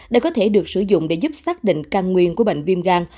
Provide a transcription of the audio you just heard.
đây có thể được sử dụng để giúp xác định căn nguyên của bệnh viêm gan